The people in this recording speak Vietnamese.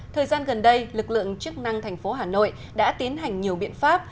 thời gian gần đây lực lượng chức năng thành phố hà nội đã tiến hành nhiều biện pháp